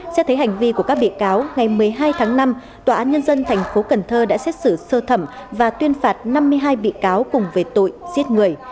xét thấy hành vi của các bị cáo ngày một mươi hai tháng năm tòa án nhân dân tp cn đã xét xử sơ thẩm và tuyên phạt năm mươi hai bị cáo cùng về tội giết người